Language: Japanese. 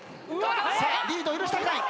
さあリードを許したくない。